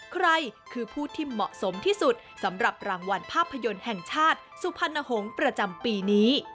ใครคือผู้ที่เหมาะสมที่สุดสำหรับรางวัลภาพยนตร์แห่งชาติสุพรรณหงษ์ประจำปีนี้